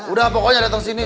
udah pokoknya datang sini